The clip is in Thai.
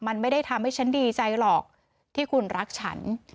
มันไม่ได้ทำให้ฉันดีใจหรอกที่คุณรักฉัน